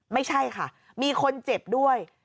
ไม่ใช่ค่ะมีคนเจ็บด้วย